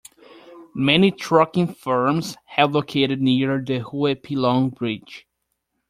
Many trucking firms have located near the Huey P. Long Bridge.